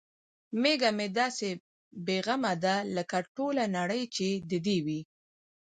میږه مې داسې بې غمه ده لکه ټوله نړۍ چې د دې وي.